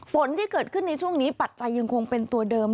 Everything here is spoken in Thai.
ฝนที่เกิดขึ้นในช่วงนี้ปัจจัยยังคงเป็นตัวเดิม